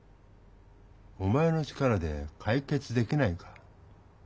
お前の力でかい決できないか？